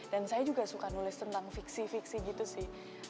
dan saya juga suka nulis tentang fiksi fiksi gitu sih